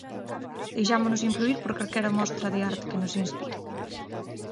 Deixámonos influír por calquera mostra de arte que nos inspire.